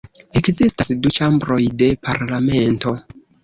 Ekzistas du ĉambroj de parlamento.